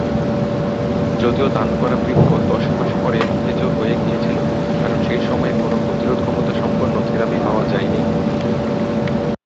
যদিও দান করা বৃক্ক দশ মাস পরে অকেজো হয়ে গিয়েছিল কারণ সেই সময়ে কোনও প্রতিরোধ ক্ষমতা সম্পন্ন থেরাপি পাওয়া যায়নি।